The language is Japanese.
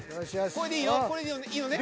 これでいいのね？